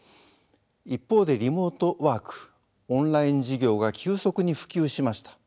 一方でリモートワークオンライン授業が急速に普及しました。